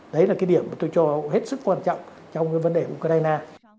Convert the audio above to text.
đấy là cái điểm mà tôi cho hết sức quan trọng trong cái vấn đề của ukraine